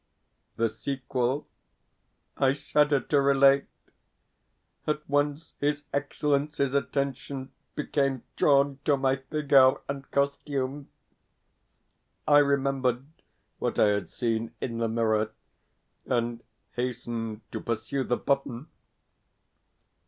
The sequel I shudder to relate. At once his Excellency's attention became drawn to my figure and costume. I remembered what I had seen in the mirror, and hastened to pursue the button.